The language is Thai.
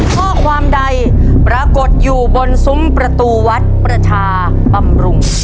ข้อความใดปรากฏอยู่บนซุ้มประตูวัดประชาบำรุง